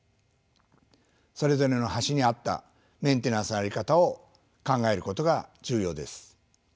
それぞれの橋に合ったメンテナンスの在り方を考えることが重要です。